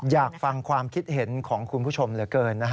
อยากฟังความคิดเห็นของคุณผู้ชมเหลือเกิน